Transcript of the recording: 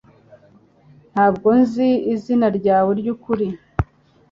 Ntabwo nzi izina ryawe ryukuri